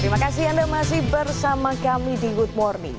terima kasih anda masih bersama kami di good morning